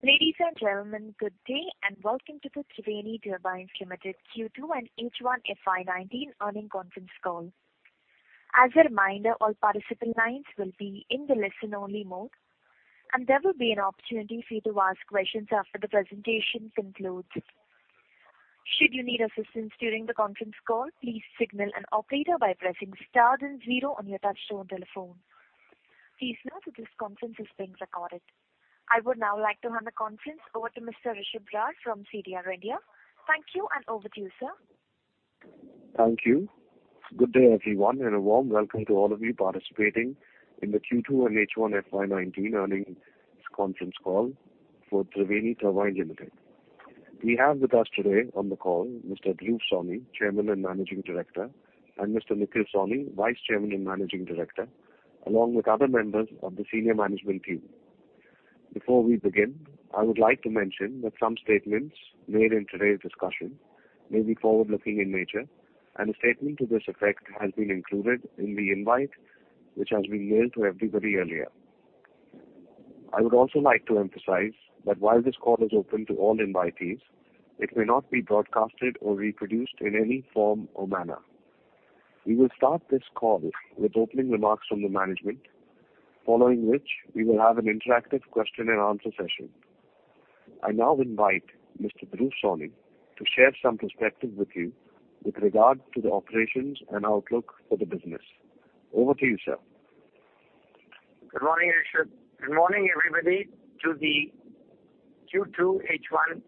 Ladies and gentlemen, good day. Welcome to the Triveni Turbine Limited Q2 and H1 FY 2019 earning conference call. As a reminder, all participant lines will be in the listen-only mode. There will be an opportunity for you to ask questions after the presentation concludes. Should you need assistance during the conference call, please signal an operator by pressing star then zero on your touch-tone telephone. Please note that this conference is being recorded. I would now like to hand the conference over to Mr. Rishabh Raj from CDR India. Thank you. Over to you, sir. Thank you. Good day, everyone. A warm welcome to all of you participating in the Q2 and H1 FY 2019 earnings conference call for Triveni Turbine Limited. We have with us today on the call Mr. Dhruv Sawhney, Chairman and Managing Director, Mr. Nikhil Sawhney, Vice Chairman and Managing Director, along with other members of the senior management team. Before we begin, I would like to mention that some statements made in today's discussion may be forward-looking in nature. A statement to this effect has been included in the invite, which has been mailed to everybody earlier. I would also like to emphasize that while this call is open to all invitees, it may not be broadcasted or reproduced in any form or manner. We will start this call with opening remarks from the management, following which we will have an interactive question and answer session. I now invite Mr. Dhruv Sawhney to share some perspective with you with regard to the operations and outlook for the business. Over to you, sir. Good morning, Rishabh. Good morning, everybody, to the Q2 H1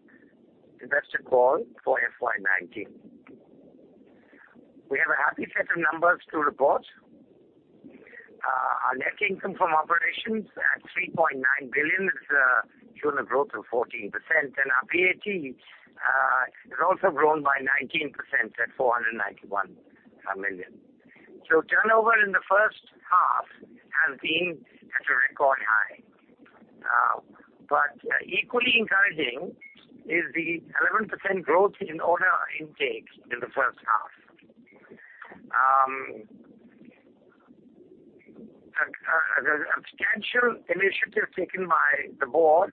investor call for FY 2019. We have a happy set of numbers to report. Our net income from operations at 3.9 billion is a year-on-year growth of 14%. Our PAT has also grown by 19% at 491 million. Turnover in the first half has been at a record high. Equally encouraging is the 11% growth in order intake in the first half. A substantial initiative taken by the board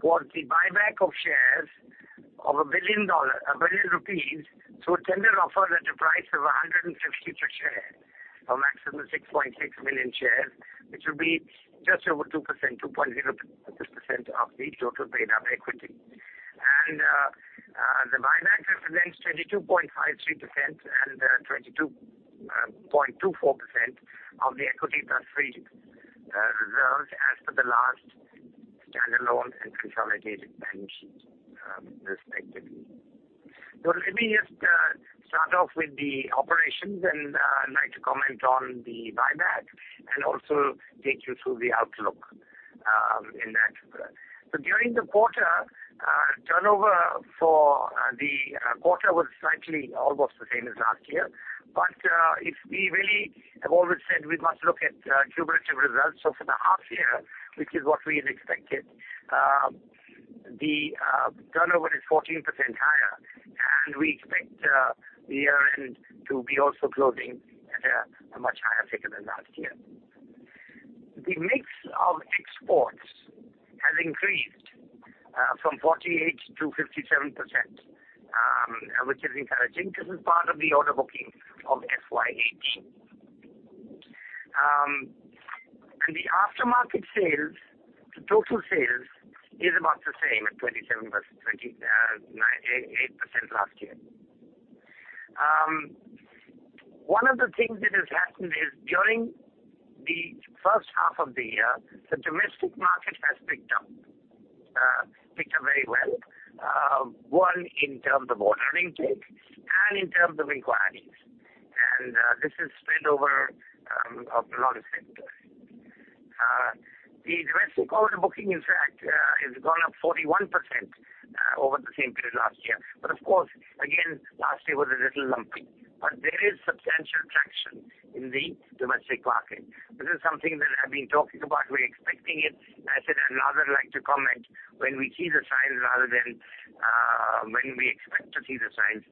was the buyback of shares of 1 billion rupees through a tender offer at a price of 150 per share, for a maximum 6.6 million shares, which will be just over 2.0% of the total paid-up equity. The buyback represents 22.53% and 22.24% of the equity plus free reserves as per the last standalone and consolidated balance sheet respectively. Let me just start off with the operations, and I'd like to comment on the buyback and also take you through the outlook in that regard. During the quarter, turnover for the quarter was slightly almost the same as last year. We really have always said we must look at cumulative results. For the half-year, which is what we had expected, the turnover is 14% higher, and we expect the year-end to be also closing at a much higher figure than last year. The mix of exports has increased from 48% to 57%, which is encouraging. This is part of the order booking of FY 2018. The aftermarket sales to total sales is about the same at 27% versus 28% last year. One of the things that has happened is during the first half of the year, the domestic market has picked up very well, one, in terms of order intake and in terms of inquiries. This is spread over a lot of sectors. The domestic order booking, in fact, has gone up 41% over the same period last year. Of course, again, last year was a little lumpy, but there is substantial traction in the domestic market. This is something that I've been talking about. We're expecting it. I said I'd rather like to comment when we see the signs rather than when we expect to see the signs.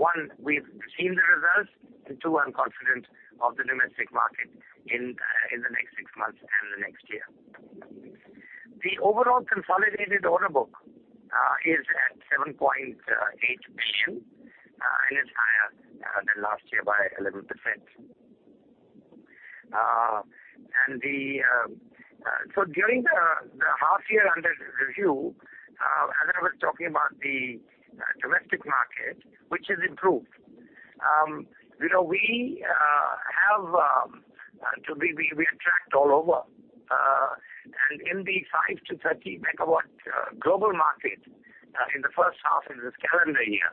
One, we've seen the results, and two, I'm confident of the domestic market in the next six months and the next year. The overall consolidated order book is at 7.8 billion and is higher than last year by 11%. During the half-year under review, as I was talking about the domestic market, which has improved. We attract all over. In the 5 to 30 MW global market in the first half of this calendar year,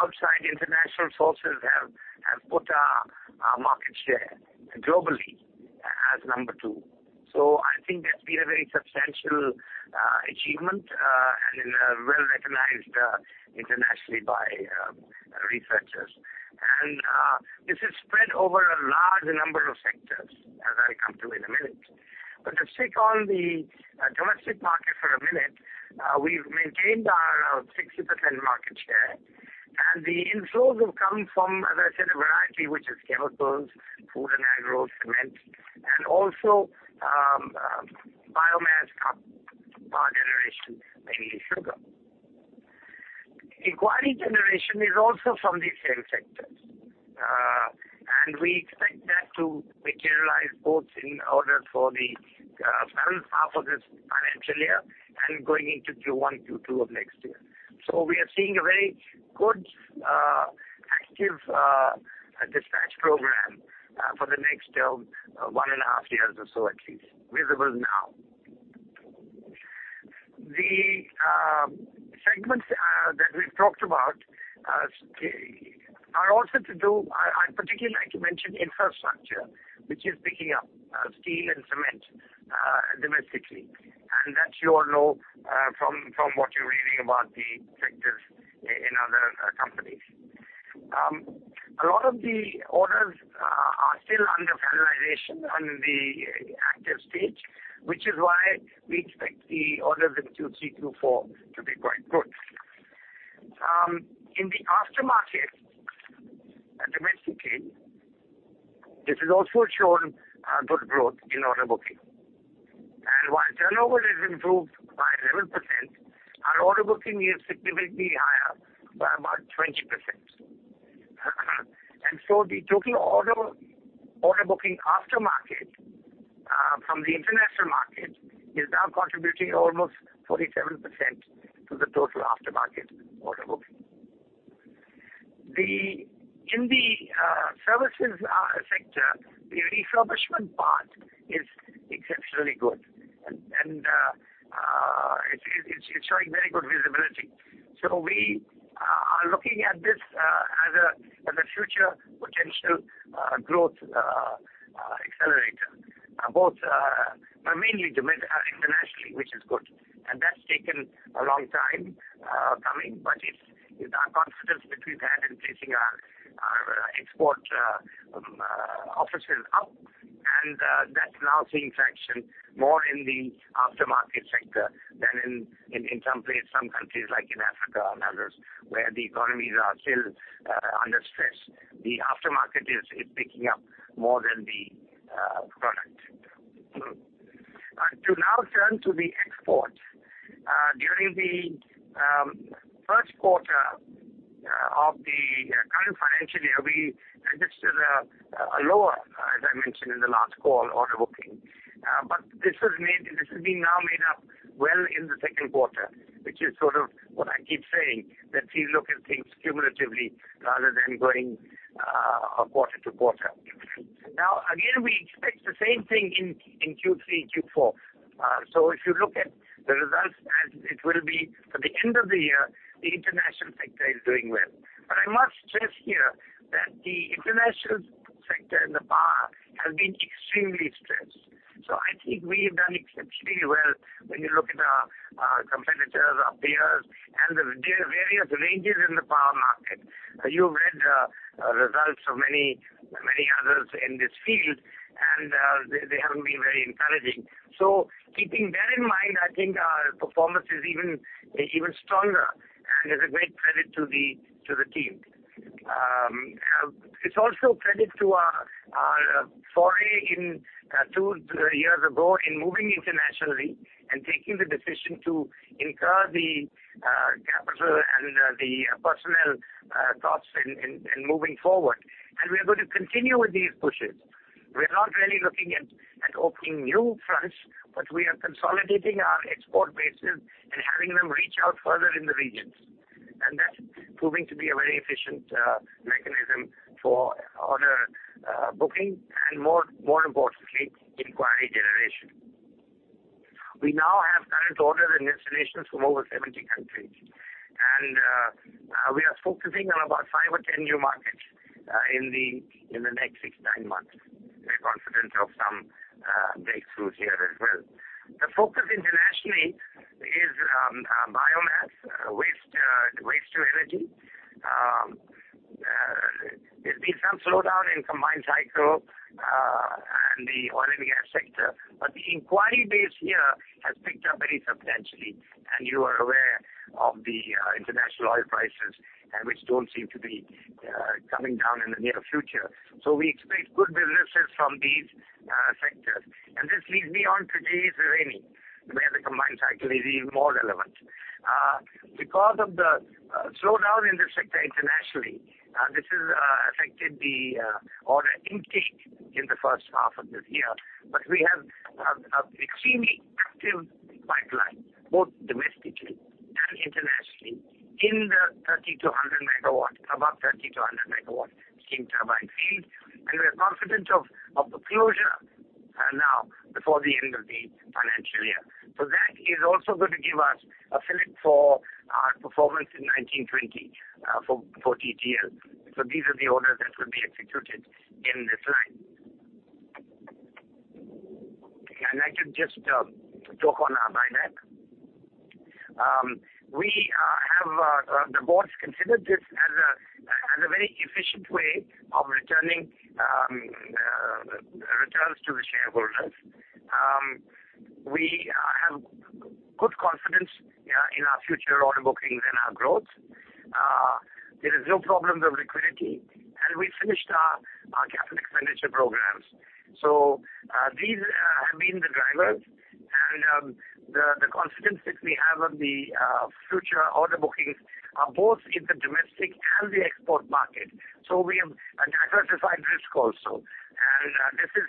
outside international sources have put our market share globally as number two. I think that's been a very substantial achievement and well-recognized internationally by researchers. This is spread over a large number of sectors, as I come to in a minute. To stick on the domestic market for a minute, we've maintained our 60% market share. The inflows have come from, as I said, a variety, which is chemicals, food and agros, cement, and also biomass power generation, mainly sugar. Inquiry generation is also from these same sectors, we expect that to materialize both in order for the second half of this financial year and going into Q1, Q2 of next year. We are seeing a very good active dispatch program for the next one and a half years or so at least, visible now. The segments that we've talked about are also I particularly like to mention infrastructure, which is picking up steel and cement domestically. That you all know from what you're reading about the sectors in other companies. A lot of the orders are still under finalization on the active stage, which is why we expect the orders in Q3, Q4 to be quite good. In the aftermarket domestically, this has also shown good growth in order booking. While turnover has improved by 11%, our order booking is significantly higher by about 20%. The total order booking aftermarket from the international market is now contributing almost 47% to the total aftermarket order booking. In the services sector, the refurbishment part is exceptionally good and it's showing very good visibility. We are looking at this as a future potential growth accelerator, mainly internationally, which is good. That's taken a long time coming, but it's our confidence which we've had in placing our export offices up. That's now seeing traction more in the aftermarket sector than in some countries like in Africa and others, where the economies are still under stress. The aftermarket is picking up more than the product. To now turn to the export. During the first quarter of the current financial year, we registered a lower, as I mentioned in the last call, order booking. This is being now made up well in the second quarter, which is sort of what I keep saying, that we look at things cumulatively rather than going quarter to quarter. Again, we expect the same thing in Q3, Q4. If you look at the results as it will be at the end of the year, the international sector is doing well. I must stress here that the international sector in the power has been extremely stressed. I think we have done exceptionally well when you look at our competitors, our peers, and the various ranges in the power market. You've read the results of many others in this field, and they haven't been very encouraging. Keeping that in mind, I think our performance is even stronger and is a great credit to the team. It's also a credit to our foray two years ago in moving internationally and taking the decision to incur the capital and the personnel costs in moving forward. We are going to continue with these pushes. We're not really looking at opening new fronts, but we are consolidating our export bases and having them reach out further in the regions. That's proving to be a very efficient mechanism for order booking and more importantly, inquiry generation. We now have current orders and installations from over 70 countries. We are focusing on about five or 10 new markets in the next six, nine months. We're confident of some breakthroughs here as well. The focus internationally is biomass waste to energy. There's been some slowdown in combined cycle and the oil and gas sector. The inquiry base here has picked up very substantially, and you are aware of the international oil prices and which don't seem to be coming down in the near future. We expect good businesses from these sectors. This leads me on to today's trading, where the combined cycle is even more relevant. Because of the slowdown in this sector internationally, this has affected the order intake in the first half of this year. We have an extremely active pipeline, both domestically and internationally, in the 30 to 100 MW, above 30 to 100 MW steam turbine field. We're confident of the closure now before the end of the financial year. That is also going to give us a fillip for our performance in 1920 for TGL. These are the orders that will be executed in this line. I can just talk on our buyback. The boards considered this as a very efficient way of returning returns to the shareholders. We have good confidence in our future order bookings and our growth. There is no problem of liquidity, and we finished our CapEx programs. These have been the drivers, and the confidence that we have on the future order bookings are both in the domestic and the export market. This is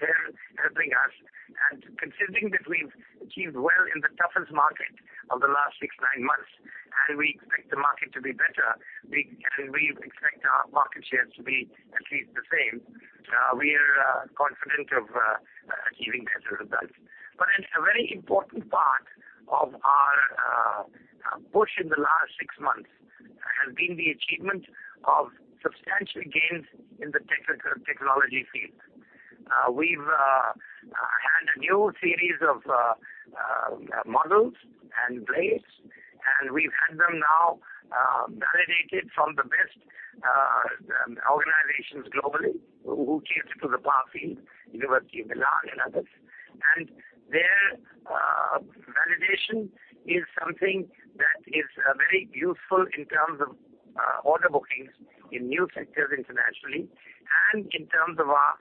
helping us. Considering that we've achieved well in the toughest market of the last six, nine months, and we expect the market to be better, and we expect our market share to be at least the same, we are confident of achieving better results. A very important part of our push in the last six months has been the achievement of substantial gains in the technology field. We've had a new series of models and blades, and we've had them now validated from the best organizations globally who cater to the power field, University of Milan and others. Their validation is something that is very useful in terms of order bookings in new sectors internationally and in terms of our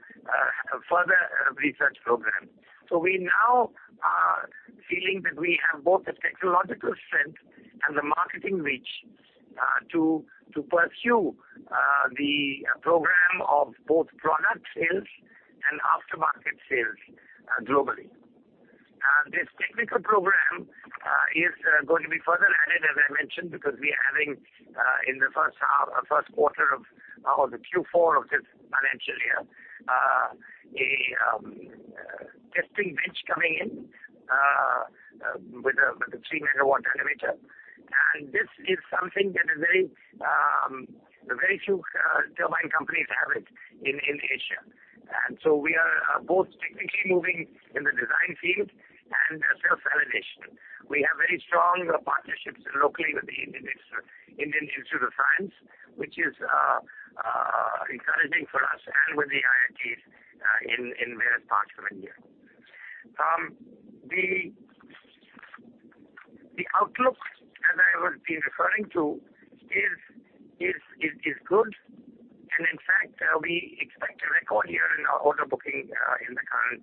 further research program. We now are feeling that we have both the technological strength and the marketing reach to pursue the program of both product sales and aftermarket sales globally. This technical program is going to be further added, as I mentioned, because we are having in the first quarter of Q4 of this financial year, a testing bench coming in with a 3 MW dynamometer. This is something that very few turbine companies have it in Asia. We are both technically moving in the design field and self-validation. We have very strong partnerships locally with the Indian Institute of Science, which is encouraging for us and with the IITs in various parts of India. The outlook, as I have been referring to, is good, and in fact, we expect a record year in our order booking in the current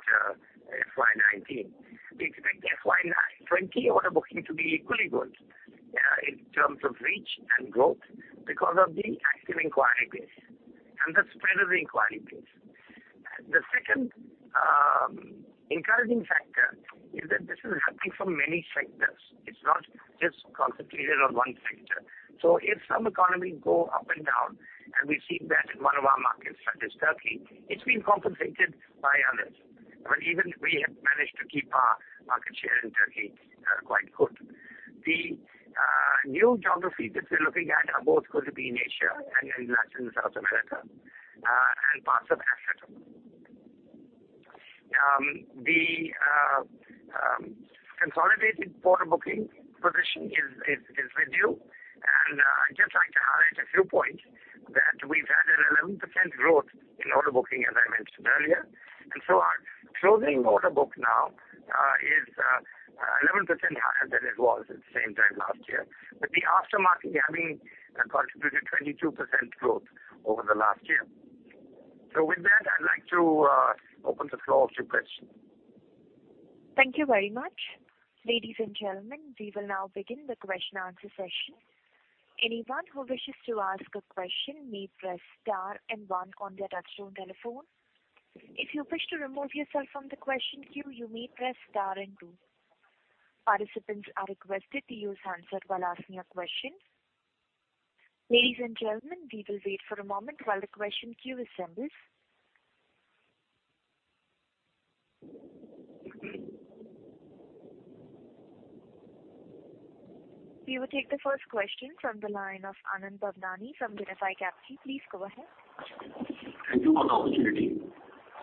FY 2019. We expect FY 2020 order booking to be equally good in terms of reach and growth because of the active inquiries and the spread of the inquiries. The second encouraging factor is that this is happening from many sectors. It's not just concentrated on one sector. If some economies go up and down, and we've seen that in one of our markets, that is Turkey, it's been compensated by others. Even we have managed to keep our market share in Turkey quite good. The new geographies that we're looking at are both going to be in Asia and Latin South America and parts of Africa. The consolidated order booking position is with you, I'd just like to highlight a few points that we've had an 11% growth in order booking, as I mentioned earlier. Our closing order book now is 11% higher than it was at the same time last year, with the aftermarket having contributed 22% growth over the last year. With that, I'd like to open the floor to questions. Thank you very much. Ladies and gentlemen, we will now begin the question-answer session. Anyone who wishes to ask a question may press star and one on their touchtone telephone. If you wish to remove yourself from the question queue, you may press star and two. Participants are requested to use handset while asking a question. Ladies and gentlemen, we will wait for a moment while the question queue assembles. We will take the first question from the line of Anand Bhavnani from Unifi Capital. Please go ahead. Thank you for the opportunity.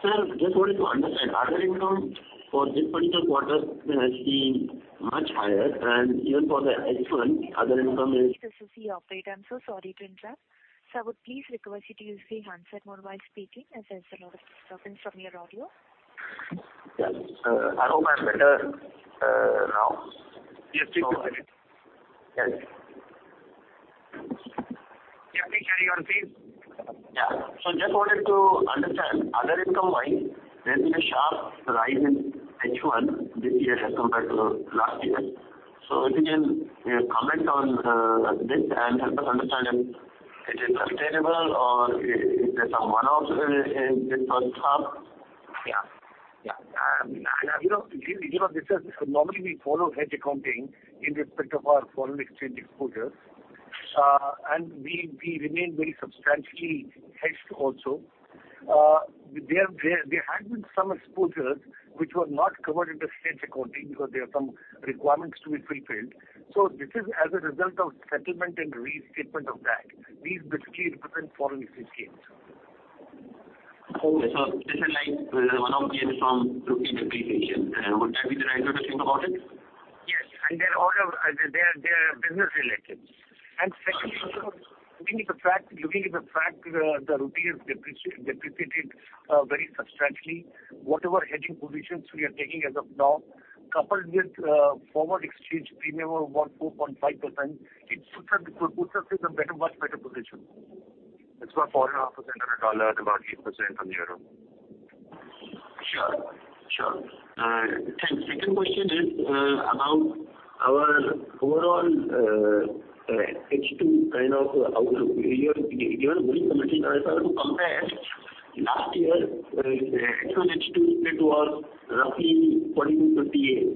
Sir, just wanted to understand, other income for this particular quarter has been much higher, and even for the next one, other income is. This is the operator. I'm so sorry to interrupt. Sir, would please request you to use the handset mode while speaking, as there's a lot of disturbance from your audio. Yeah. I hope I'm better now. Yes, please go ahead. Yes. Yeah. Please carry on, please. Yeah. Just wanted to understand other income line, there's been a sharp rise in H1 this year as compared to last year. If you can comment on this and help us understand if it is sustainable or if there's some one-off in this first half? Yeah. This is normally we follow hedge accounting in respect of our foreign exchange exposures, we remain very substantially hedged also. There had been some exposures which were not covered in the hedge accounting because there were some requirements to be fulfilled. This is as a result of settlement and restatement of that. These basically represent foreign exchange gains. This is like one of the years from rupee depreciation. Would that be the right way to think about it? Yes. They are business related. Secondly, sir, looking at the fact the rupee is depreciated very substantially, whatever hedging positions we are taking as of now, coupled with forward exchange premium of about 4.5%, it puts us in a much better position. It's about 4.5% on the dollar, about 8% on the euro. Sure. Second question is about our overall H2 kind of outlook. You are very committed, but if I were to compare last year H2, it was roughly 20 to 28.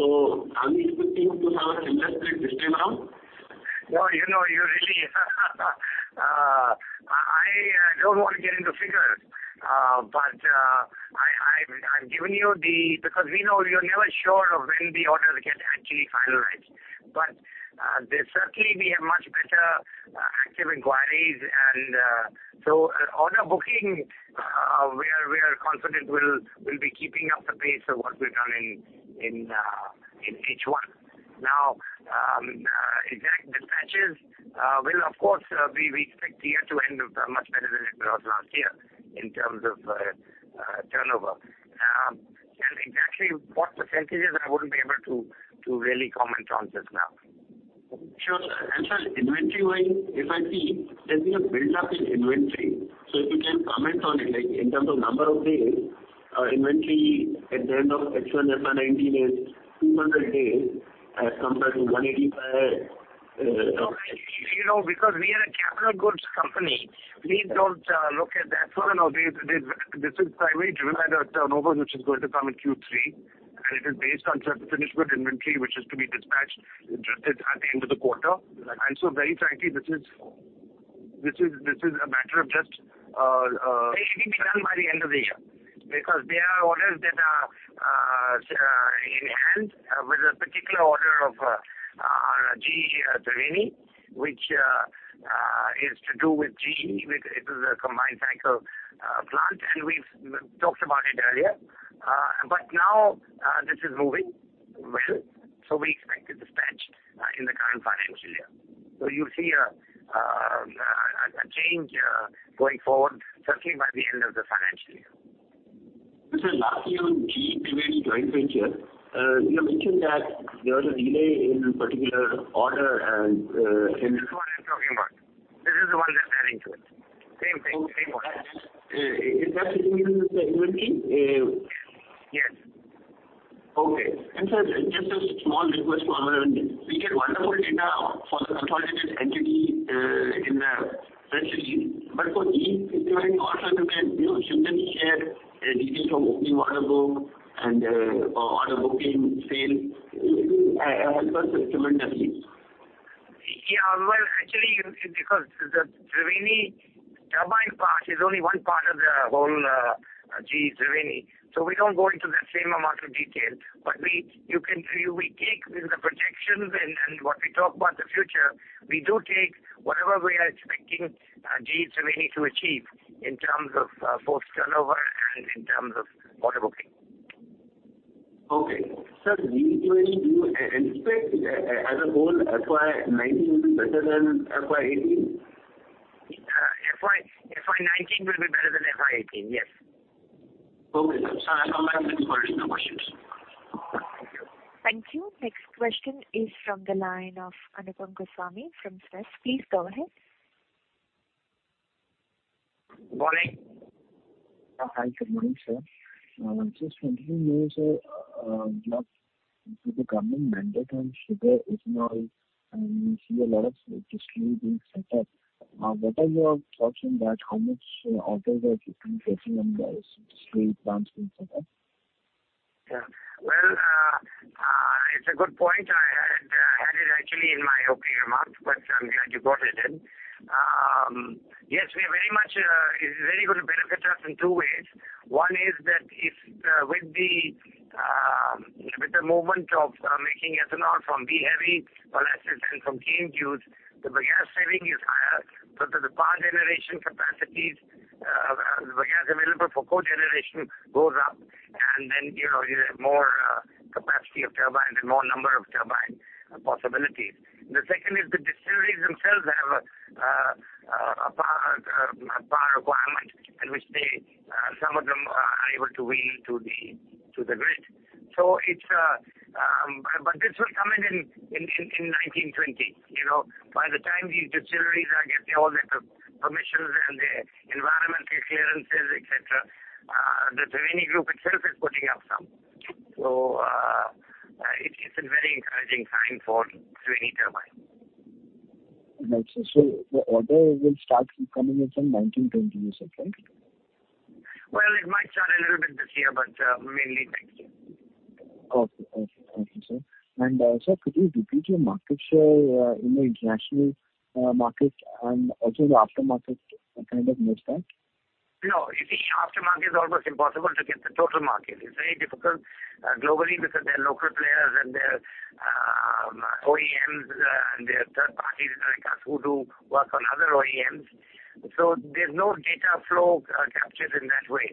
Are we expecting to have a similar split this time around? No, I don't want to get into figures. I've given you because we know you're never sure of when the orders get actually finalized. Certainly, we have much better active inquiries. So order booking, we are confident we'll be keeping up the pace of what we've done in H1. Now, exact dispatches will of course, we expect the year to end much better than it was last year in terms of turnover. Exactly what percentages I wouldn't be able to really comment on just now. Sure, sir. Sir, inventory-wise, if I see, there's been a build-up in inventory. If you can comment on it, like in terms of number of days, inventory at the end of H1 FY 2019 is 200 days as compared to 185. Because we are a capital goods company, please don't look at that. This is primarily driven by the turnover, which is going to come in Q3, and it is based on certain finished goods inventory, which is to be dispatched at the end of the quarter. Right. Very frankly, this is a matter of They need to be done by the end of the year. Because they are orders that are in hand with a particular order of GE Triveni, which is to do with GE. It is a combined cycle plant, and we've talked about it earlier. Now this is moving well, so we expect to dispatch in the current financial year. You'll see a change going forward, certainly by the end of the financial year. Sir, last year on GE Triveni joint venture, you mentioned that there was a delay in particular order and- This is the one I'm talking about. This is the one that's adding to it. Same thing. Okay. Is that sitting in the inventory? Yes. Okay. Sir, just a small request from our end. We get wonderful data for the consolidated entity in the press release. For GE Triveni also if you can share details from opening order book and order booking sale, it will help us tremendously. Yeah. Well, actually, because the Triveni Turbine part is only one part of the whole GE Triveni. We don't go into the same amount of detail. We take the projections and what we talk about the future. We do take whatever we are expecting GE Triveni to achieve in terms of both turnover and in terms of order booking. Okay. Sir, GE Triveni, do you expect as a whole FY19 to be better than FY18? FY19 will be better than FY18, yes. Okay, sir. That's all of my questions, no more questions. Thank you. Thank you. Next question is from the line of Anupam Goswami from Stash. Please go ahead. Good morning. Hi, good morning, sir. Just wanting to know, sir, due to government mandate on sugar ethanol, we see a lot of distilleries being set up. What are your thoughts on that? How much orders are you anticipating on those distillery plants being set up? Well, it's a good point. I had it actually in my opening remarks, but I'm glad you brought it in. Yes, it's really going to benefit us in two ways. One is that with the movement of making ethanol from B-heavy molasses, and from cane juice, the gas saving is higher. The power generation capacities, the gas available for cogeneration goes up, and then you have more capacity of turbines and more number of turbine possibilities. The second is the distilleries themselves have a power requirement in which some of them are able to wheel to the grid. This will come in in 1920. By the time these distilleries are getting all their permissions and their environmental clearances, et cetera, the Triveni Group itself is putting up some. It is a very encouraging time for Triveni Turbine. Got you. The order will start coming in from 1920, you said, right? Well, it might start a little bit this year, but mainly next year. Okay. Sir, could you repeat your market share in the international market and also the aftermarket kind of mix there? No. You see, aftermarket is almost impossible to get the total market. It's very difficult globally because there are local players and there are OEMs, and there are third parties like us who do work for other OEMs. There's no data flow captured in that way,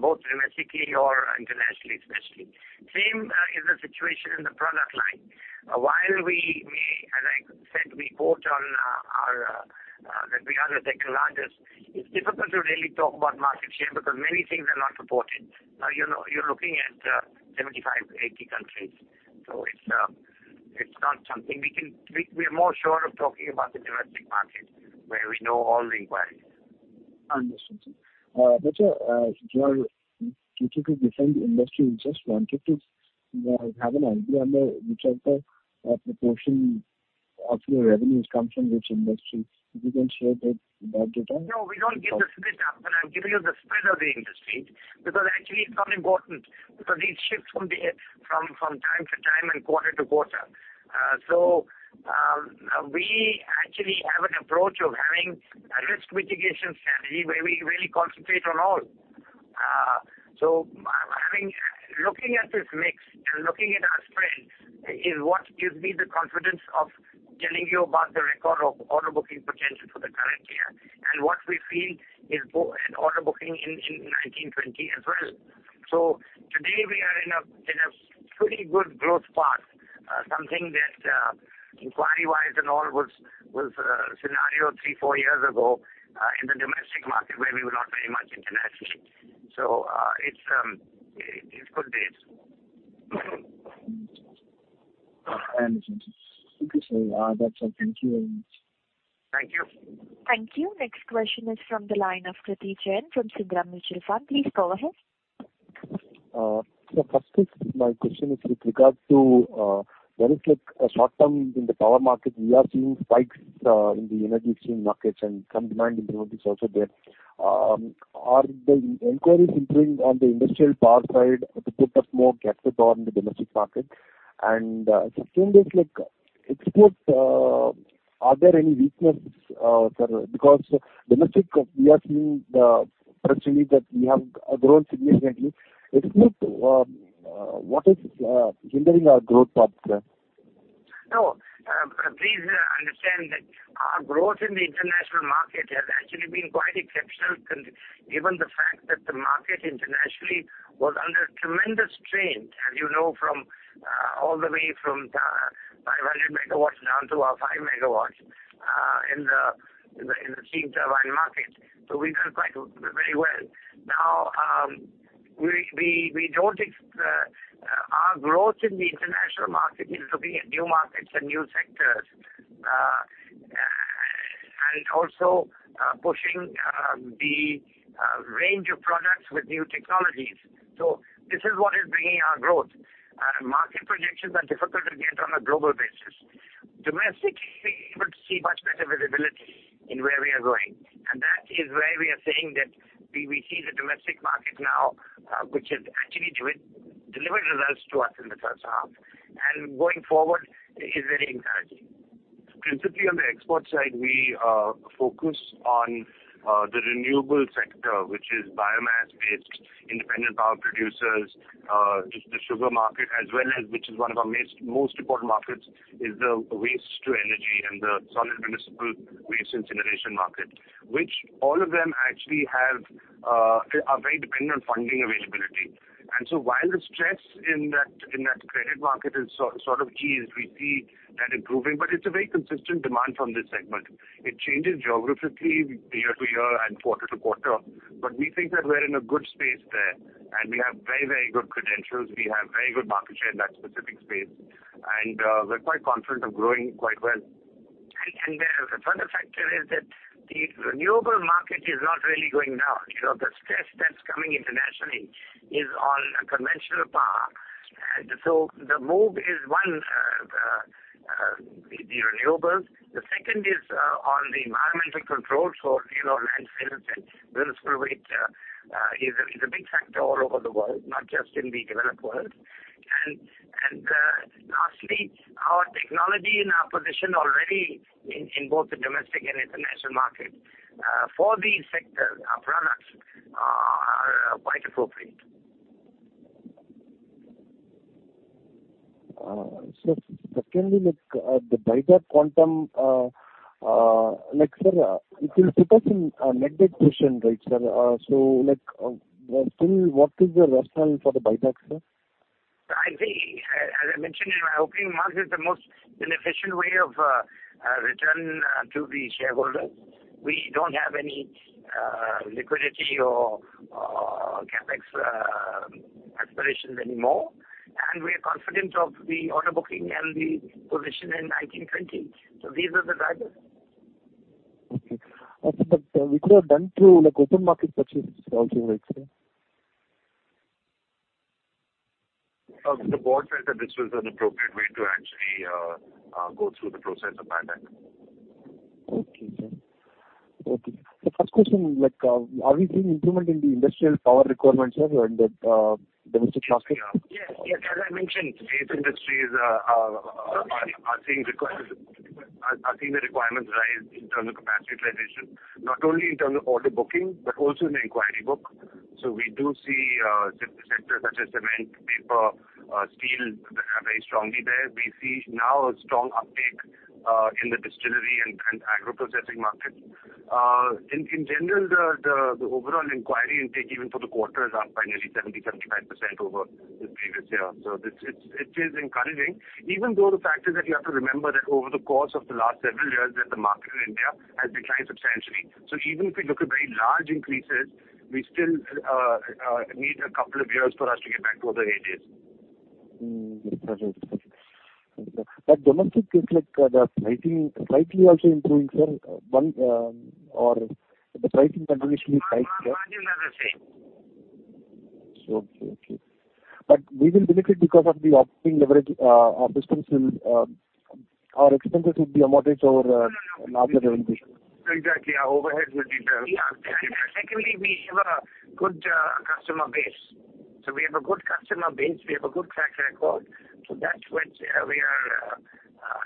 both domestically or internationally, especially. Same is the situation in the product line. While we may, as I said, we vote on our, it's difficult to really talk about market share because many things are not reported. You're looking at 75-80 countries. It's not something. We're more sure of talking about the domestic market where we know all the inquiries. Sir, since you could defend the industry, we just wanted to have an idea on the which of the proportion of your revenues come from which industry. Could you share that data? We don't give the split up, but I'll give you the spread of the industry because actually it's not important because these shifts from time to time and quarter to quarter. We actually have an approach of having a risk mitigation strategy where we really concentrate on all. Looking at this mix and looking at our spread is what gives me the confidence of telling you about the record of order booking potential for the current year and what we feel is order booking in 2020 as well. Today we are in a pretty good growth path, something that inquiry-wise and all was scenario three, four years ago, in the domestic market where we were not very much internationally. It's good days. Understood. Okay, sir. That's all. Thank you very much. Thank you. Thank you. Next question is from the line of Kriti Jain from Sundaram Mutual Fund. Please go ahead. Sir, firstly, my question is with regards to there is a short term in the power market. We are seeing spikes in the energy stream markets and some demand improvement is also there. Are the inquiries improving on the industrial power side to put us more captive on the domestic market? Secondly, sir, if it's not, are there any weaknesses, sir? Domestic, we are seeing the potentially that we have grown significantly. If it's not, what is hindering our growth path, sir? No. Please understand that our growth in the international market has actually been quite exceptional, given the fact that the market internationally was under tremendous strain, as you know, from all the way from 500 megawatts down to our five megawatts in the steam turbine market. We've done very well. Now, our growth in the international market is looking at new markets and new sectors, and also pushing the range of products with new technologies. This is what is bringing our growth. Market projections are difficult to get on a global basis. Domestically, we're able to see much better visibility in where we are going. That is where we are saying that we see the domestic market now which has actually delivered results to us in the first half, and going forward is very encouraging. Principally on the export side, we focus on the renewable sector, which is biomass-based independent power producers, the sugar market as well as which is one of our most important markets is the waste to energy and the solid municipal waste incineration market, which all of them actually are very dependent on funding availability. While the stress in that credit market is sort of eased, we see that improving, but it's a very consistent demand from this segment. It changes geographically year to year and quarter to quarter, but we think that we're in a good space there and we have very good credentials. We have very good market share in that specific space, and we're quite confident of growing quite well. The further factor is that the renewable market is not really going down. The stress that's coming internationally is on conventional power. The move is one, the renewables. The second is on the environmental control. Landfills and waste is a big factor all over the world, not just in the developed world. Lastly, our technology and our position already in both the domestic and international market, for these sectors, our products are quite appropriate. Sir, secondly, the buyback quantum, it will put us in a net debt question, right, sir? Still what is the rationale for the buyback, sir? I think, as I mentioned in my opening remarks, it's the most beneficial way of return to the shareholders. We don't have any liquidity or CapEx aspirations anymore, and we are confident of the order booking and the position in 1920. These are the drivers. Okay. We could have done through open market purchases also, right, sir? The board felt that this was an appropriate way to actually go through the process of buyback. Okay, sir. First question, are we seeing improvement in the industrial power requirements in the domestic market? Yes. As I mentioned, base industries are seeing the requirements rise in terms of capacity utilization, not only in terms of order booking, but also in the inquiry book. We do see sectors such as cement, paper, steel that are very strongly there. We see now a strong uptake in the distillery and agro-processing markets. In general, the overall inquiry intake even for the quarter is up by nearly 70%, 75% over the previous year. It is encouraging, even though the fact is that you have to remember that over the course of the last several years, the market in India has declined substantially. Even if we look at very large increases, we still need a couple of years for us to get back to where it is. Got it. Domestic is slightly also improving, sir? The pricing transmission is slight there. Margins are the same. Okay. We will benefit because of the operating leverage. Our expenses will be amortized over a larger revenue. Exactly. Our overheads will be less. Secondly, we have a good customer base. We have a good customer base, we have a good track record. That's what we are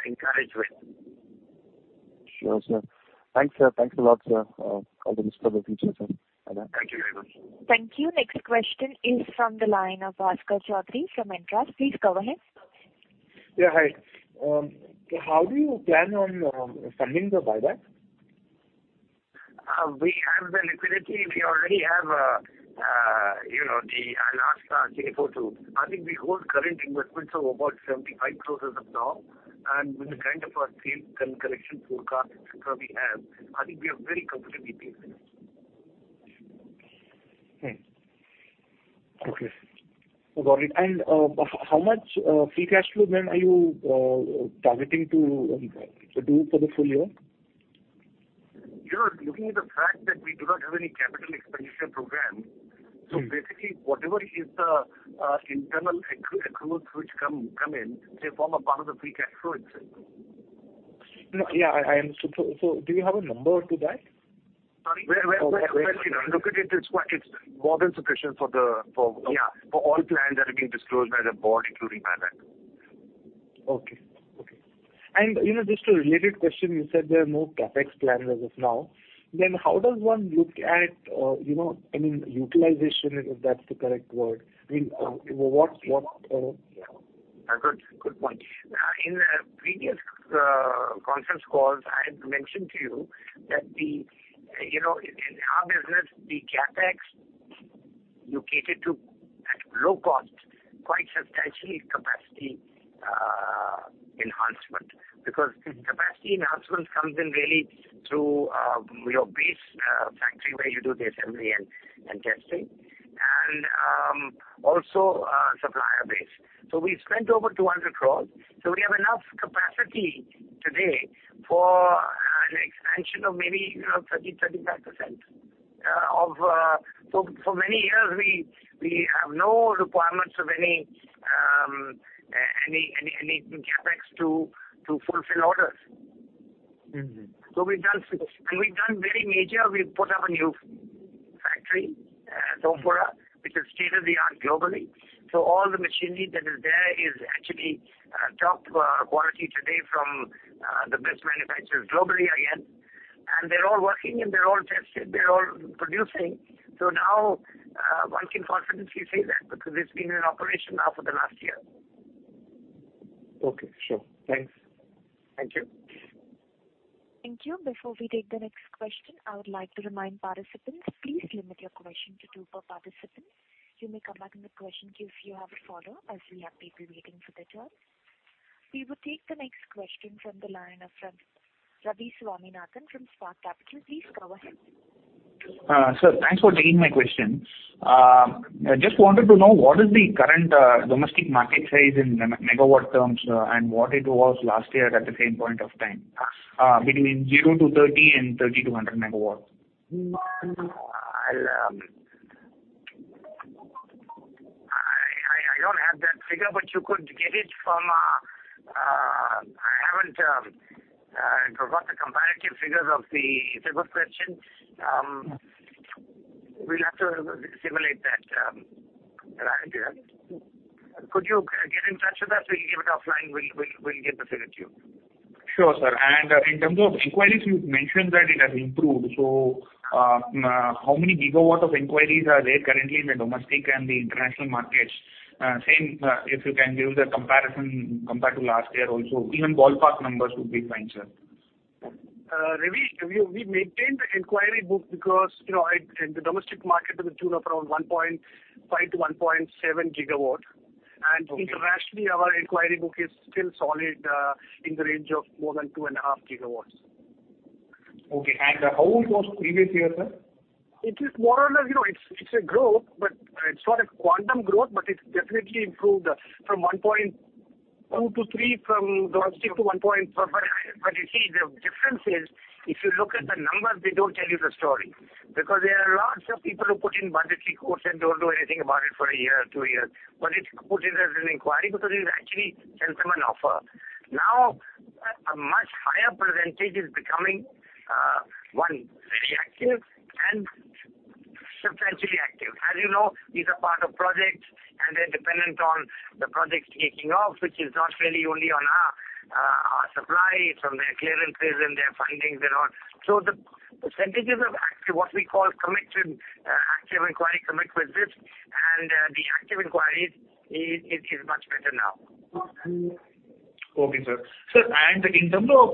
encouraged with. Sure, sir. Thanks a lot, sir. All the best for the future, sir. Bye-bye. Thank you very much. Thank you. Next question is from the line of Bhaskar Chaudhry from Entrust. Please go ahead. Yeah, hi. How do you plan on funding the buyback? We have the liquidity. We already have the Alaska 342. I think we hold current investments of about 75 crores as of now, with the kind of our sales collection forecast, et cetera, we have, I think we are very comfortably placed. Okay. Got it. How much free cash flow then are you targeting to do for the full year? Looking at the fact that we do not have any capital expenditure program. Basically, whatever is the internal accruals which come in, they form a part of the free cash flow itself. Yeah. Do you have a number to that? Sorry. Roughly. Look at it's more than sufficient for all plans that have been disclosed by the board, including buyback. Okay. Just a related question, you said there are no CapEx plans as of now. How does one look at utilization, if that's the correct word? Good point. In previous conference calls, I had mentioned to you that in our business, the CapEx you cater to at low cost, quite substantially is capacity enhancement. Capacity enhancement comes in really through your base factory where you do the assembly and testing, and also supplier base. We spent over 200 crores. We have enough capacity today for an expansion of maybe 30%, 35%. For many years, we have no requirements of any CapEx to fulfill orders. We've done very major. We've put up a new factory at Sompura, which is state-of-the-art globally. All the machinery that is there is actually top quality today from the best manufacturers globally again. They're all working, and they're all tested, they're all producing. Now, one can confidently say that because it's been in operation now for the last year. Okay, sure. Thanks. Thank you. Thank you. Before we take the next question, I would like to remind participants, please limit your question to two per participant. You may come back in the question queue if you have a follow-up, as we have people waiting for their turn. We will take the next question from the line of Ravi Swaminathan from Spark Capital. Please go ahead. Sir, thanks for taking my question. I just wanted to know what is the current domestic market size in megawatt terms, and what it was last year at the same point of time, between zero-30 megawatts and 30-100 megawatts. I don't have that figure, but you could get it from I haven't got the comparative figures. It's a good question. We'll have to simulate that. Could you get in touch with us? We'll give it offline. We'll get the figure to you. Sure, sir. In terms of inquiries, you've mentioned that it has improved. How many gigawatts of inquiries are there currently in the domestic and the international markets? Same, if you can give the comparison compared to last year also, even ballpark numbers would be fine, sir. Ravi, we maintained the inquiry book because in the domestic market, it was tuned around 1.5 gigawatt-1.7 gigawatt. Okay. Internationally, our inquiry book is still solid in the range of more than 2.5 gigawatts. Okay. How it was previous year, sir? It's a growth. It's not a quantum growth, but it's definitely improved from 1.2 to 3 from domestic. You see, the difference is, if you look at the numbers, they don't tell you the story. There are lots of people who put in budgetary quotes and don't do anything about it for a year or 2 years. It's put in as an inquiry because it is actually sent them an offer. Now, a much higher percentage is becoming, one, very active and substantially active. As you know, these are part of projects, and they're dependent on the projects taking off, which is not really only on our supply, from their clearances and their findings and all. The percentages of what we call committed active inquiry commit with this and the active inquiries is much better now. Okay, sir. Sir, in terms of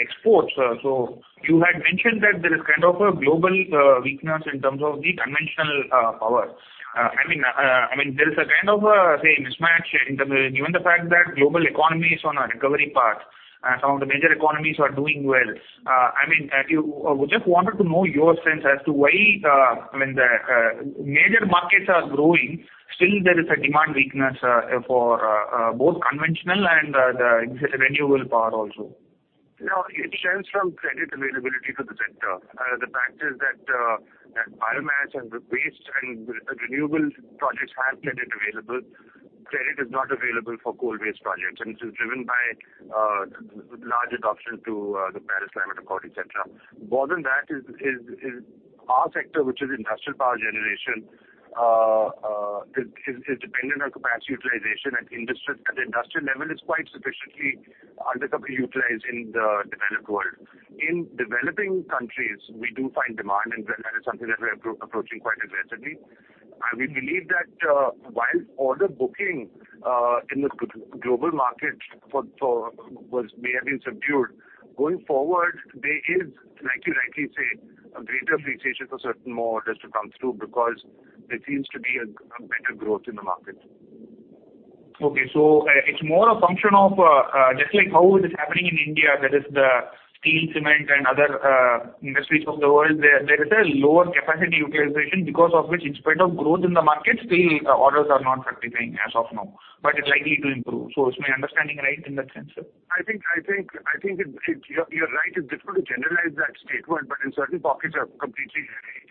exports, you had mentioned that there is a global weakness in terms of the conventional power. There is a kind of a mismatch given the fact that global economy is on a recovery path. Some of the major economies are doing well. We just wanted to know your sense as to why when the major markets are growing, still there is a demand weakness for both conventional and the renewable power also. No, it stems from credit availability to the sector. The fact is that biomass and waste and renewable projects have credit available. Credit is not available for coal-based projects, and this is driven by large adoption to the Paris Climate Accord, et cetera. More than that is our sector, which is industrial power generation, is dependent on capacity utilization at the industrial level is quite sufficiently underutilized in the developed world. In developing countries, we do find demand, and that is something that we're approaching quite aggressively. We believe that while order booking in the global market may have been subdued, going forward, there is likely a greater appreciation for certain more orders to come through because there seems to be a better growth in the market. Okay. It's more a function of just like how it is happening in India, that is the steel, cement, and other industries of the world, there is a lower capacity utilization because of which, in spite of growth in the market, still orders are not satisfying as of now, but it's likely to improve. Is my understanding right in that sense, sir? I think you're right. It's difficult to generalize that statement, but in certain pockets are completely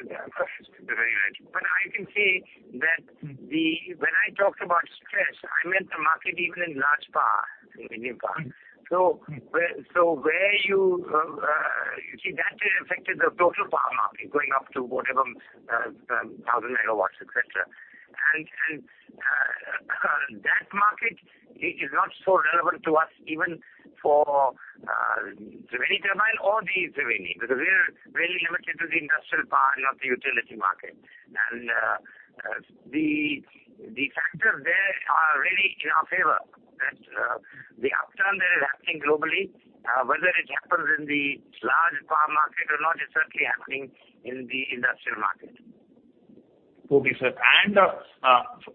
very right. I can say that when I talked about stress, I meant the market even in large power in India. You see that affected the total power market going up to whatever, 1,000 megawatts, et cetera. That market is not so relevant to us, even for Triveni Turbine or the Triveni, because we are really limited to the industrial power, not the utility market. The factors there are really in our favor. The upturn that is happening globally, whether it happens in the large power market or not, it's certainly happening in the industrial market. Okay, sir.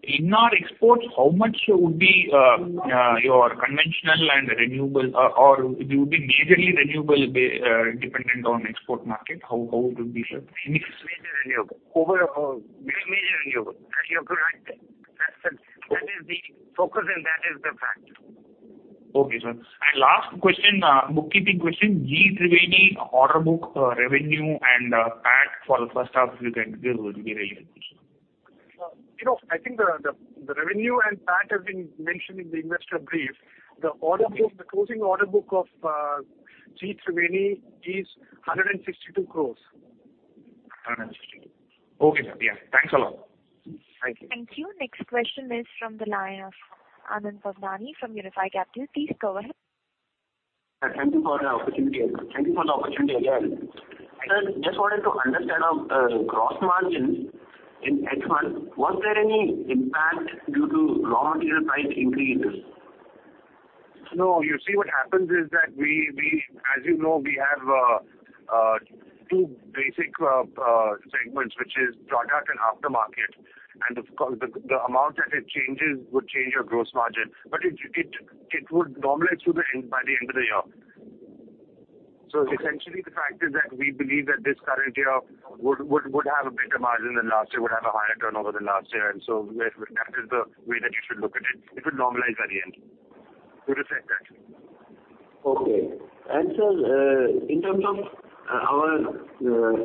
In our exports, how much would be your conventional and renewable, or it would be majorly renewable dependent on export market? How would it be, sir? It's major renewable. Overall, very major renewable. You're correct there. That is the focus and that is the factor. Okay, sir. Last question, bookkeeping question. GE Triveni order book revenue and PAT for the first half, if you can give, would be very helpful, sir. I think the revenue and PAT has been mentioned in the investor brief. The closing order book of GE Triveni is 162 crores. 160. Okay, sir. Yeah. Thanks a lot. Thank you. Thank you. Next question is from the line of Anand Bhavnani from Unifi Capital. Please go ahead. Thank you for the opportunity again. Sir, just wanted to understand our gross margin in H1. Was there any impact due to raw material price increases? No, you see what happens is that, as you know, we have two basic segments, which is product and aftermarket. The amount that it changes would change your gross margin, but it would normalize by the end of the year. Essentially, the fact is that we believe that this current year would have a better margin than last year, would have a higher turnover than last year. That is the way that you should look at it. It will normalize by the end. It would affect that. Okay. Sir, in terms of our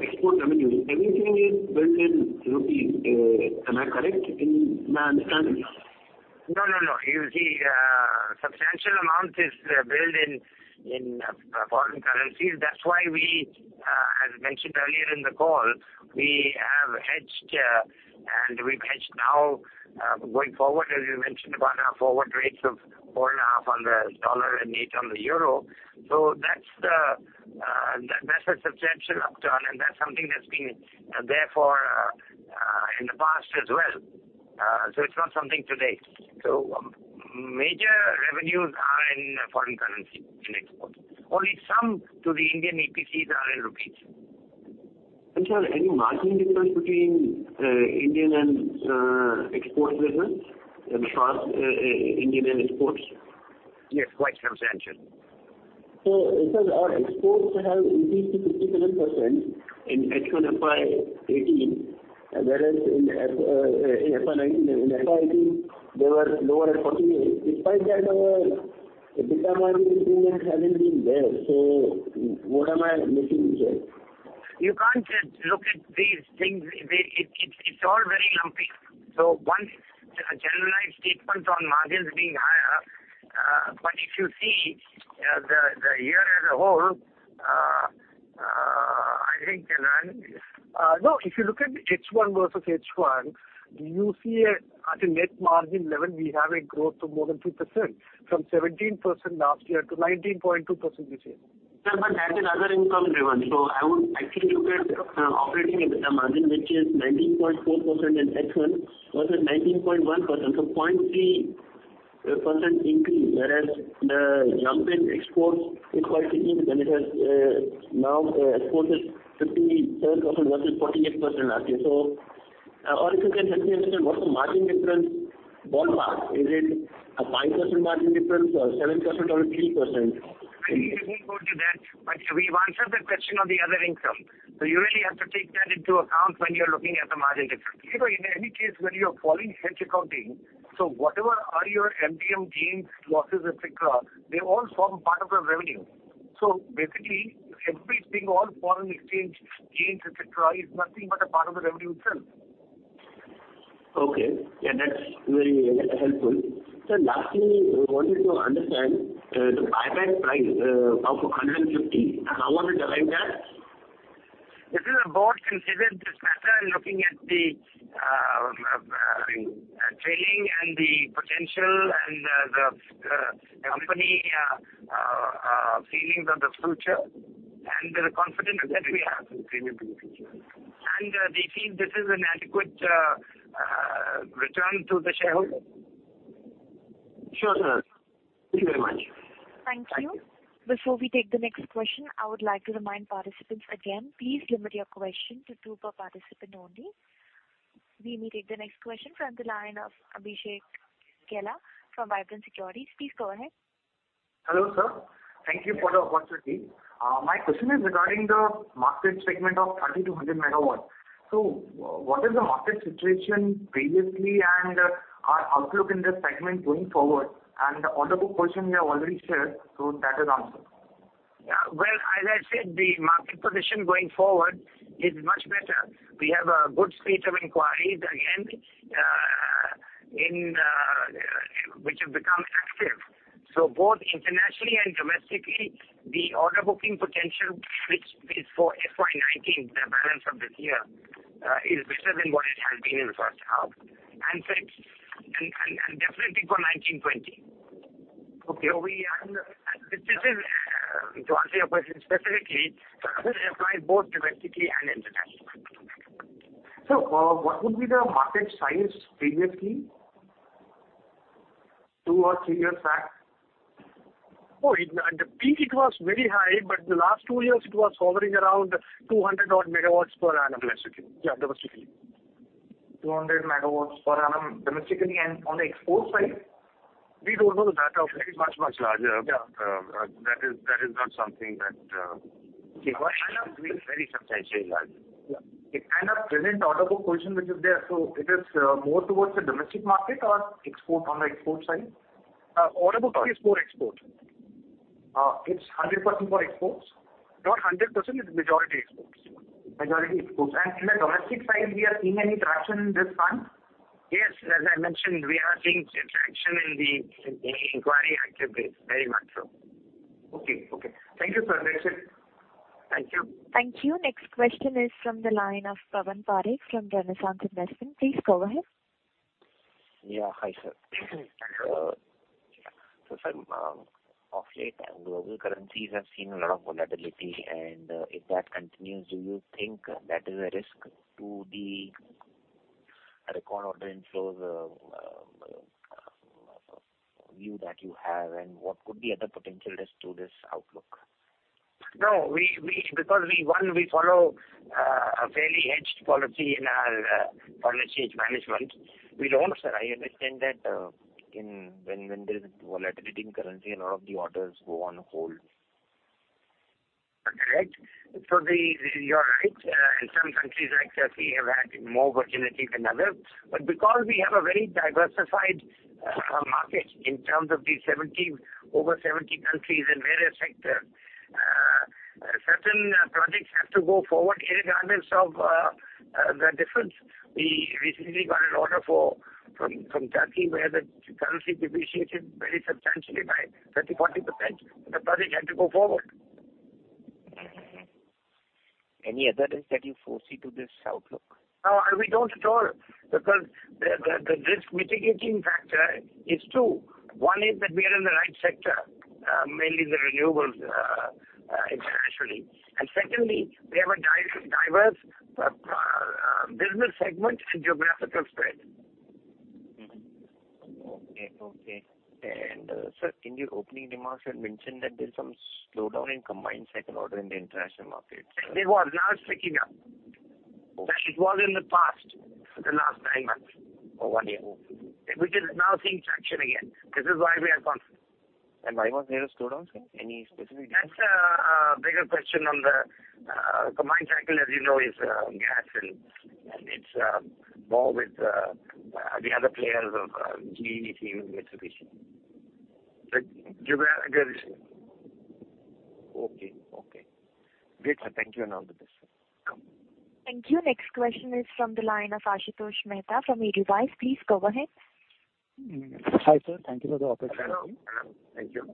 export revenues, everything is built in rupee. Am I correct in my understanding? No. You see, substantial amount is billed in foreign currencies. That's why we, as mentioned earlier in the call, we have hedged, and we've hedged now going forward, as we mentioned, about our forward rates of four-and-a-half on the dollar and eight on the euro. That's a substantial upturn, and that's something that's been there for in the past as well. It's not something today. Major revenues are in foreign currency in exports. Only some to the Indian EPCs are in rupees. Sir, any margin difference between Indian and export business? The gross Indian exports. Yes, quite substantial. Because our exports have increased to 57% in H1 FY 2018, whereas in FY 2019 they were lower at 48%. Despite that, our EBITDA margin in India hasn't been there. What am I missing here? You can't just look at these things. It's all very lumpy. One generalized statement on margins being higher, but if you see the year as a whole, I think, no, if you look at H1 versus H1, you see at a net margin level, we have a growth of more than 2%, from 17% last year to 19.2% this year. Sir, that is other income driven. I would actually look at operating margin, which is 19.4% in X1 versus 19.1%, 0.3% increase, whereas the jump in exports is quite significant. Exports is 57% versus 48% last year. If you can help me understand what's the margin difference ballpark. Is it a 5% margin difference or 7% or 3%? I didn't go into that. We've answered the question on the other income. You really have to take that into account when you're looking at the margin difference. In any case, when you're following hedge accounting, whatever are your MTM gains, losses, et cetera, they all form part of the revenue. Basically, everything, all foreign exchange gains, et cetera, is nothing but a part of the revenue itself. Okay. That's very helpful. Sir, lastly, I wanted to understand the buyback price of 150. How was it arrived at? The board considered this matter looking at the trading and the potential, the company feelings of the future, the confidence that we have in the future. They feel this is an adequate return to the shareholder. Sure, sir. Thank you very much. Thank you. Before we take the next question, I would like to remind participants again, please limit your question to two per participant only. We will take the next question from the line of Abhishek Kela from Vibrant Securities. Please go ahead. Hello, sir. Thank you for the opportunity. My question is regarding the market segment of 3,200 megawatts. What is the market situation previously and our outlook in this segment going forward? The order book question you have already shared, that is answered. Well, as I said, the market position going forward is much better. We have a good state of inquiries again, which have become active. Both internationally and domestically, the order booking potential, which is for FY 2019, the balance of this year, is better than what it has been in the first half and definitely for 1920. Okay. To answer your question specifically, this applies both domestically and internationally. Sir, what would be the market size previously, two or three years back? Oh, at the peak it was very high, the last two years it was hovering around 200 odd MW per annum domestically. 200 MW per annum domestically. On the export side? We don't know the data. It is much, much larger. Yeah. That is not something that- Okay. Very substantially large. Yeah. Our present order book position which is there, so it is more towards the domestic market or on the export side? Order book is for export. It's 100% for exports? Not 100%, it's majority exports. Majority exports. In the domestic side, we are seeing any traction in this front? Yes. As I mentioned, we are seeing traction in the inquiry active base. Very much so. Okay. Thank you, sir. That's it. Thank you. Thank you. Next question is from the line of Pawan Parekh from Renaissance Investment. Please go ahead. Hi, sir. Sir, of late global currencies have seen a lot of volatility, and if that continues, do you think that is a risk to the record order inflows view that you have, and what could be other potential risk to this outlook? No. One, we follow a fairly hedged policy in our foreign exchange management. Sir, I understand that when there's volatility in currency, a lot of the orders go on hold. Correct. You're right. In some countries like [inaudible] have had more volatility than others. Because we have a very diversified market in terms of these over 70 countries in various sectors, certain projects have to go forward irrespective of the difference. We recently got an order from Turkey, where the currency depreciated very substantially by 30%-40%. The project had to go forward. Any other risk that you foresee to this outlook? No, we don't at all, because the risk mitigating factor is two. One is that we are in the right sector, mainly the renewables internationally. Secondly, we have a diverse business segment and geographical spread. Sir, in your opening remarks, you mentioned that there's some slowdown in combined cycle order in the international markets. There was. Now it's picking up. Okay. It was in the past, the last nine months. One year. Okay. We are now seeing traction again. This is why we are confident. Why was there a slowdown, sir? Any specific reason? That's a bigger question on the combined cycle, as you know, is gas, and it's more with the other players of GE, Mitsubishi. Okay. Great, sir. Thank you and all the best. Welcome. Thank you. Next question is from the line of Ashutosh Mehta from Edelweiss. Please go ahead. Hi, sir. Thank you for the opportunity. Hello. Thank you.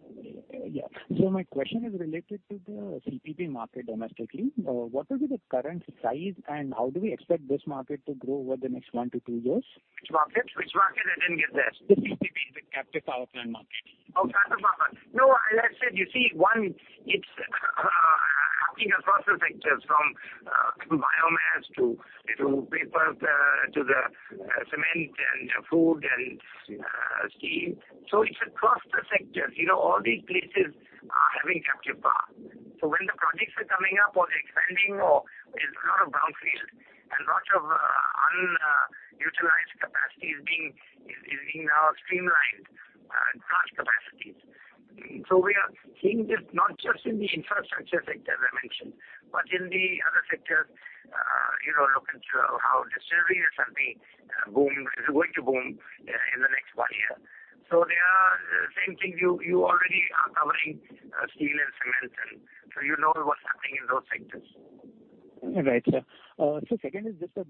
Yeah. My question is related to the CPP market domestically. What will be the current size, and how do we expect this market to grow over the next 1-2 years? Which market? I didn't get that. The CPP. Captive power plant market. Captive power plant. As I said, you see, one, it's happening across the sectors, from biomass to paper to the cement and food and steel. It is across the sectors. All these places are having captive power. When the projects are coming up or they are expanding or there is a lot of brownfield and lot of unutilized capacity is being now streamlined across capacities. We are seeing this not just in the infrastructure sector, as I mentioned, but in the other sectors, looking to how the distillery is suddenly going to boom in the next one year. They are same thing. You already are covering steel and cement, and so you know what's happening in those sectors. Right, sir. Second is just a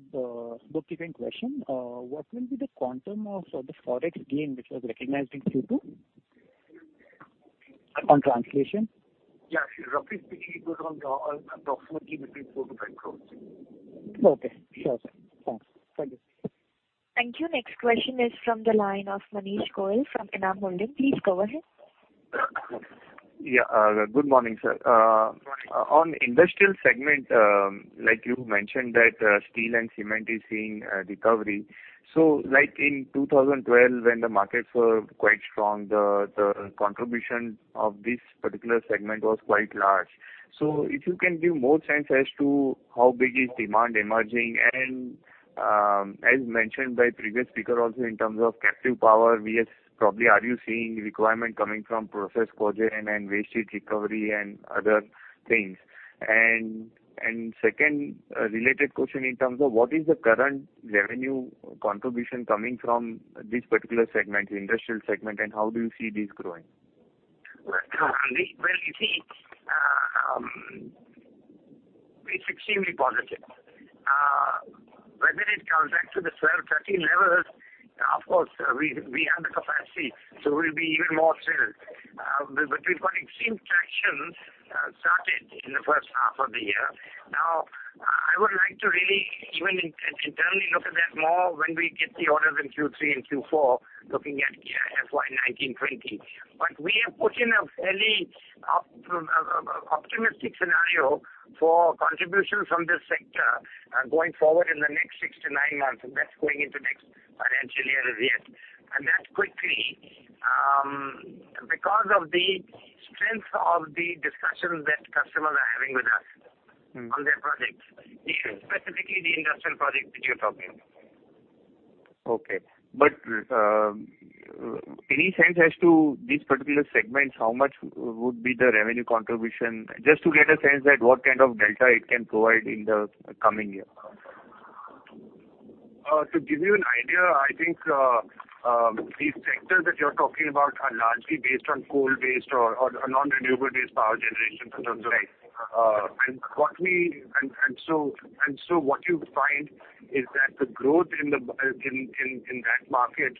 bookkeeping question. What will be the quantum of the Forex gain which was recognized in Q2 on translation? Roughly speaking, it was approximately between four crores to five crores. Okay, sure sir. Thanks. Thank you. Thank you. Next question is from the line of Manish Goyal from Enam Holdings. Please go ahead. Yeah. Good morning, sir. Good morning. Industrial segment, like you mentioned, that steel and cement is seeing a recovery. In 2012, when the markets were quite strong, the contribution of this particular segment was quite large. If you can give more sense as to how big is demand emerging and, as mentioned by previous speaker also in terms of captive power, we have probably, are you seeing requirement coming from process cogen and waste heat recovery and other things? Second related question in terms of what is the current revenue contribution coming from this particular segment, industrial segment, and how do you see this growing? Well, Manish. It's extremely positive. Whether it comes back to the 12, 13 levels, of course, we have the capacity, we'll be even more thrilled. We've got extreme traction started in the first half of the year. I would like to really, even internally, look at that more when we get the orders in Q3 and Q4, looking at FY 2019-2020. We have put in a fairly optimistic scenario for contribution from this sector going forward in the next six to nine months, and that's going into next financial year as yet. That's quickly because of the strength of the discussions that customers are having with us on their projects, specifically the industrial projects that you're talking about. Okay. Any sense as to these particular segments, how much would be the revenue contribution? Just to get a sense that what kind of delta it can provide in the coming year. To give you an idea, I think these sectors that you're talking about are largely based on coal-based or non-renewable-based power generation in terms of. Right. what you find is that the growth in that market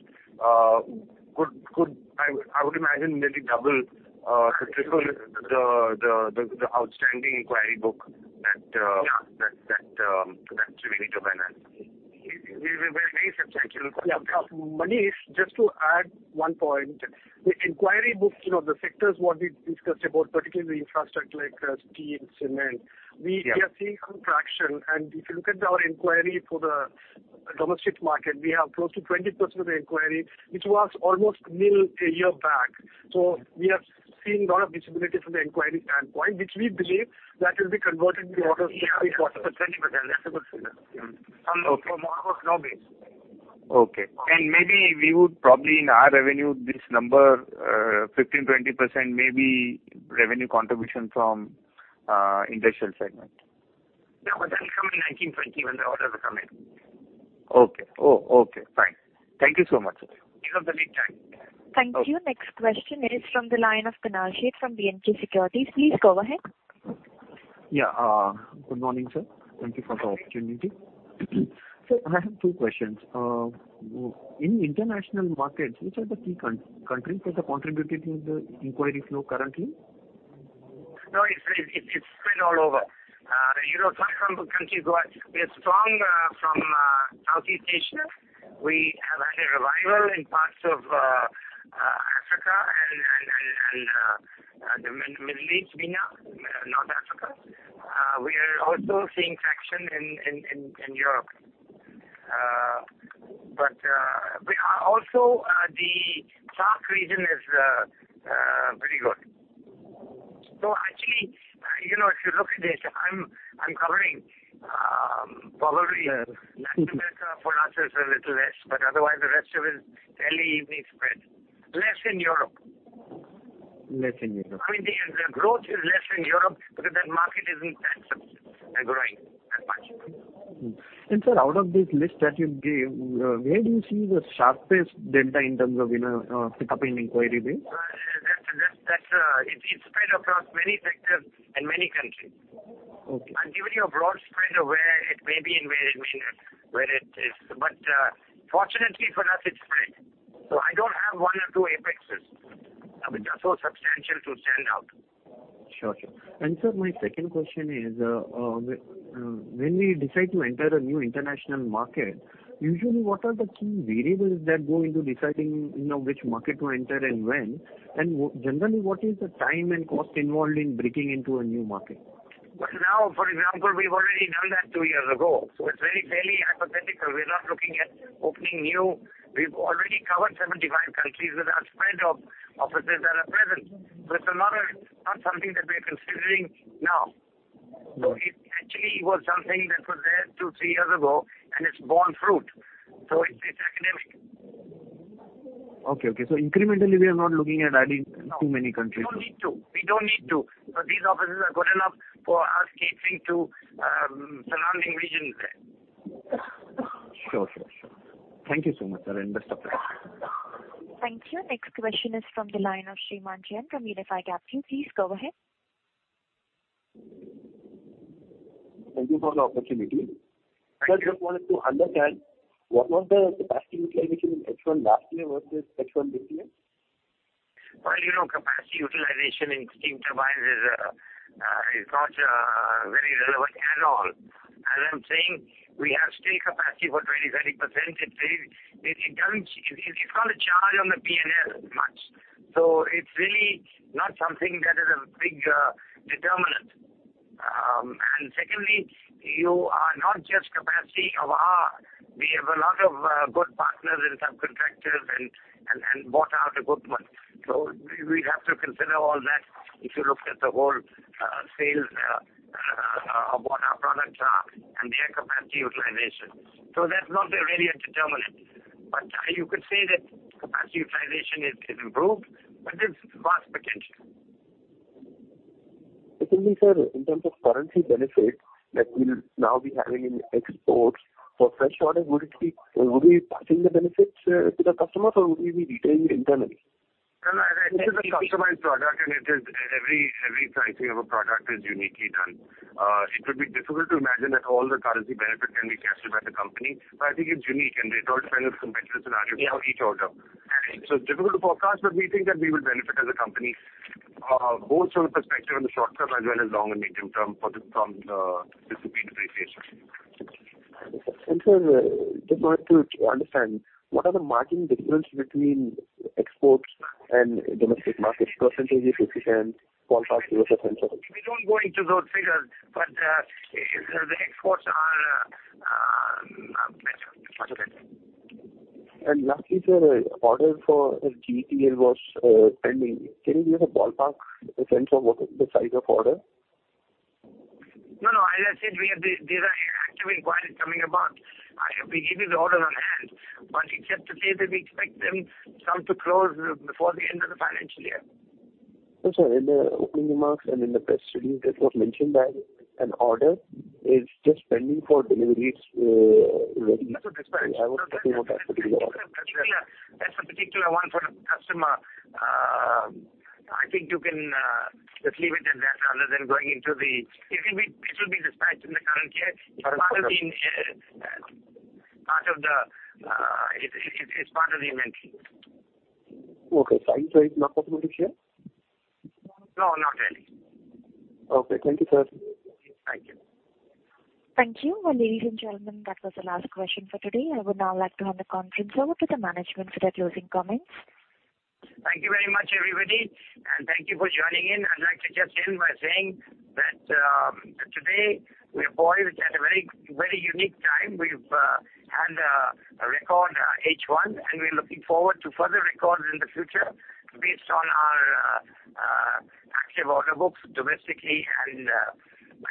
could, I would imagine, maybe double or triple the outstanding inquiry book that Yeah that Triveni Turbine has. We're very substantial. Yeah. Manish, just to add one point. The inquiry books, the sectors what we discussed about, particularly infrastructure like steel and cement. Yeah we are seeing contraction. If you look at our inquiry for the domestic market, we have close to 20% of the inquiry, which was almost nil a year back. We are seeing a lot of visibility from the inquiry standpoint, which we believe that will be converted into orders very possibly. Yeah. 20% is a good figure. From almost no base. Okay. Maybe we would probably in our revenue, this number, 15%-20% maybe revenue contribution from industrial segment. No, that will come in 19-20 when the orders will come in. Okay. Fine. Thank you so much, sir. Give us a lead time. Thank you. Next question is from the line of Tanashit from BNK Securities. Please go ahead. Yeah. Good morning, sir. Thank you for the opportunity. Sir, I have two questions. In international markets, which are the key countries that are contributing to the inquiry flow currently? No, it's spread all over. Some of the countries We are strong from Southeast Asia. We have had a revival in parts of Africa and the Middle East, MENA, North Africa. We are also seeing traction in Europe. Also, the SAARC region is pretty good. Actually, if you look at it, I'm covering probably Latin America for us is a little less, but otherwise the rest of it, fairly evenly spread. Less in Europe. Less in Europe. I mean, the growth is less in Europe because that market isn't that growing that much. Sir, out of this list that you gave, where do you see the sharpest delta in terms of pick up in inquiry base? It's spread across many sectors and many countries. Okay. I'm giving you a broad spread of where it may be and where it is. Fortunately for us, it's spread. I don't have one or two APACs that are so substantial to stand out. Sure. Sir, my second question is, when we decide to enter a new international market, usually what are the key variables that go into deciding which market to enter and when? Generally, what is the time and cost involved in breaking into a new market? Well, now, for example, we've already done that two years ago. It's very fairly hypothetical. We're not looking at opening new. We've already covered 75 countries with our spread of offices that are present. It's not something that we're considering now. It actually was something that was there two, three years ago, and it's borne fruit. It's academic. Okay. Incrementally, we are not looking at adding too many countries. No. We don't need to. These offices are good enough for us catering to surrounding regions. Sure. Thank you so much, sir, and best of luck. Thank you. Next question is from the line of Sri Manjan from Unifi Capital. Please go ahead. Thank you for the opportunity. Sir, just wanted to understand what was the capacity utilization in H1 last year versus H1 this year? Well, capacity utilization in steam turbines is not very relevant at all. As I'm saying, we have steam capacity for 20%. It's not a charge on the P&L much. It's really not something that is a big determinant. Secondly, you are not just capacity of ours. We have a lot of good partners and subcontractors, and bought out equipment. We'd have to consider all that if you looked at the whole sales of what our products are and their capacity utilization. That's not really a determinant. You could say that capacity utilization is improved, but there's vast potential. Secondly, sir, in terms of currency benefit that we'll now be having in exports. For fresh orders, would we be passing the benefits to the customer, or would we be retaining internally? No, this is a customized product, and every pricing of a product is uniquely done. It would be difficult to imagine that all the currency benefit can be captured by the company, but I think it's unique, and it all depends on the competitive scenario for each order. It's difficult to forecast, but we think that we would benefit as a company, both from the perspective in the short term as well as long and medium term from this rupee depreciation. Sir, just wanted to understand what are the margin difference between exports and domestic markets? Percentage if you can ballpark, give us a sense of it. We don't go into those figures, but the exports are better, much better. Lastly, sir, order for GETL was pending. Can you give a ballpark sense of what is the size of order? No, as I said, there are active inquiries coming about. We give you the order on hand, but it's safe to say that we expect them some to close before the end of the financial year. Sir, in the opening remarks and in the press release, it was mentioned that an order is just pending for deliveries. I think that's a dispatch. That's a particular one for a customer. I think you can just leave it at that other than going into the. It will be dispatched in the current year. It's part of the inventory. Okay. Size is not possible to share? No, not really. Okay. Thank you, sir. Thank you. Thank you. Ladies and gentlemen, that was the last question for today. I would now like to hand the conference over to the management for their closing comments. Thank you very much, everybody, and thank you for joining in. I'd like to just end by saying that today we're poised at a very unique time. We've had a record H1, and we're looking forward to further records in the future based on our active order books domestically and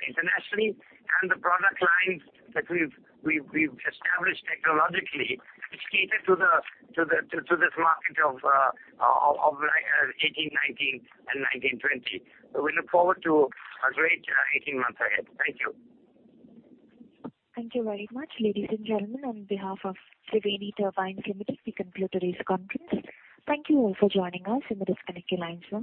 internationally, and the product lines that we've established technologically, which cater to this market of 2018, 2019 and 2019, 2020. We look forward to a great 18 months ahead. Thank you. Thank you very much, ladies and gentlemen. On behalf of Triveni Turbine Limited, we conclude today's conference. Thank you all for joining us. You may disconnect your lines now.